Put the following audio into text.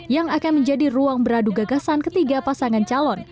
yang akan menjadi ruang beradu gagasan ketiga pasangan calon